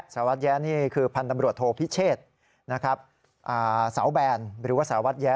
สารวัตรแย้นี่คือพันธ์ตำรวจโทพิเชษนะครับสาวแบนหรือว่าสารวัตรแย้